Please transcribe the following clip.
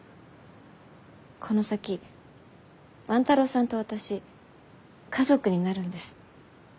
この先万太郎さんと私家族になるんです。